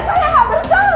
saya gak bersalah